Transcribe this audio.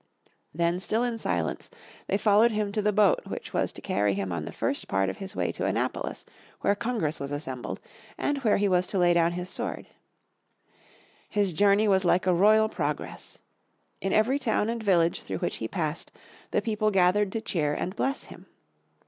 Then still in silence, they followed him to the boat which was to carry him on the first part of his way to Annapolis where Congress was assembled, and where he was to lay down his sword. His journey was like a royal progress. In every town and village through which he passed the people gathered to cheer and bless him.